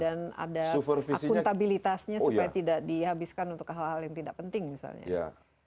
dan ada akuntabilitasnya supaya tidak dihabiskan untuk hal hal yang tidak penting misalnya